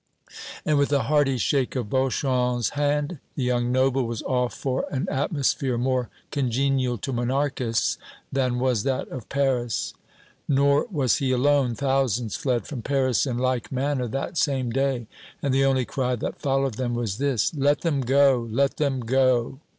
And with a hearty shake of Beauchamp's hand, the young noble was off for an atmosphere more congenial to monarchists than was that of Paris. Nor was he alone. Thousands fled from Paris in like manner that same day, and the only cry that followed them was this: "Let them go! Let them go!"